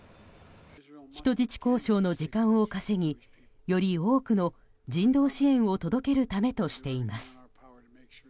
人質交渉の時間を稼ぎより多くの人道支援を届けるためとしています。